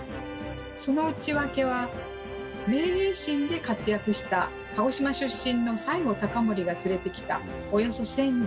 その内訳は明治維新で活躍した鹿児島出身の西郷隆盛が連れてきたおよそ１，０００人。